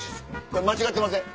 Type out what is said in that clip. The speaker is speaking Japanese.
これ間違ってません？